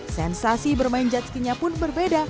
sensasi bermain jet ski nya pun berbeda